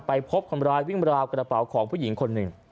พบคนร้ายวิ่งราวกระเป๋าของผู้หญิงคนหนึ่ง